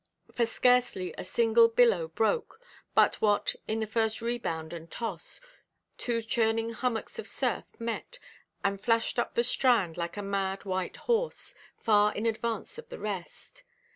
For scarcely a single billow broke, but what, in the first rebound and toss, two churning hummocks of surf met, and flashed up the strand like a mad white horse, far in advance of the rest.